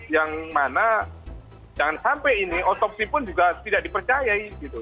yang mana jangan sampai ini otopsi pun juga tidak dipercayai gitu